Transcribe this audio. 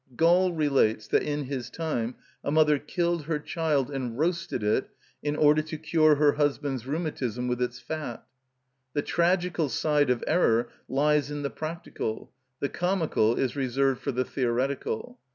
(17) Gall relates that in his time a mother killed her child and roasted it in order to cure her husband's rheumatism with its fat.(18) The tragical side of error lies in the practical, the comical is reserved for the theoretical.